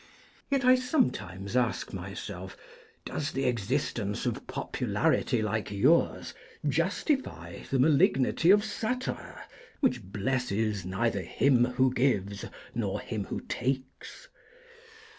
Yet I sometimes ask myself, does the existence of popularity like yours justify the malignity of satire, which blesses neither him who gives, nor him who takes?